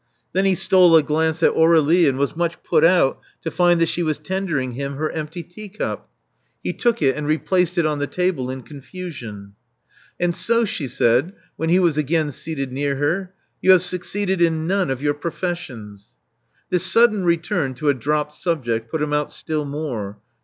Then he stole a glance at Aur^lie, and was much put out to find that she was tendering him her empty teacup. He took it, and replaced it on the table in confusion. And so, she said, when he was again seated near her, * *you have succeeded in none of your professions. *' This sudden return to a dropped subject put him out still more.